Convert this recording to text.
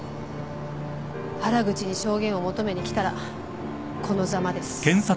原口に証言を求めに来たらこのざまです。